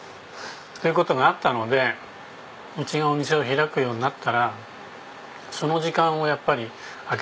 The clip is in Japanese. という事があったのでうちがお店を開くようになったらその時間をやっぱり開けておこうと。